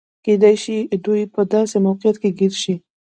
کېدای شي دوی په داسې موقعیت کې ګیر شي.